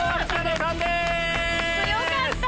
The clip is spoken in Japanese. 強かった！